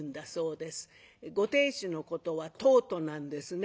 ご亭主のことは「とうと」なんですね。